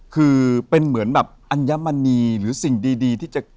คือเป็นเหมือนแบบอัญมณีหรือสิ่งดีที่จะ